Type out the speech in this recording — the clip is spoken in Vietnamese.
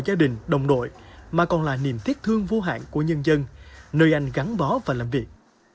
gia đình đồng đội mà còn là niềm tiếc thương vô hạn của nhân dân nơi anh gắn bó và làm việc